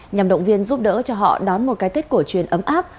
nhằm động viên giúp đỡ cho họ đón một cái tết cổ truyền ấm áp